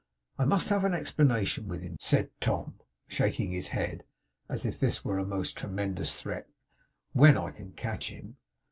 I must have an explanation with him,' said Tom, shaking his head as if this were a most tremendous threat, 'when I can catch him!